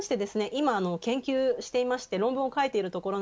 今、研究していまして論文を書いているところ